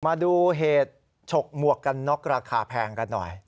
มาดูเหตุฉกหมวกกันน็อกราคาแพงกันหน่อย